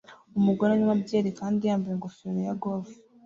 Umugore anywa byeri kandi yambaye ingofero ya golf